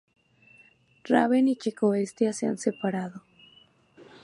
Raven y Chico Bestia se han separado.